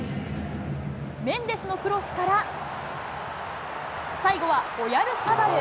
メンデスのクロスから、最後はオヤルサバル。